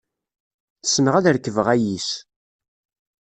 Ssneɣ ad rekbeɣ ayis.